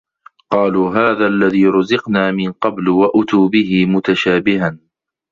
ۙ قَالُوا هَٰذَا الَّذِي رُزِقْنَا مِنْ قَبْلُ ۖ وَأُتُوا بِهِ مُتَشَابِهً